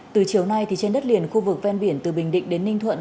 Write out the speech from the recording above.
từ chiều nay trên đất liền khu vực ven biển từ bình định đến ninh thuận